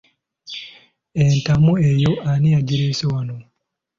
Entamu eyo ani yagireese wano?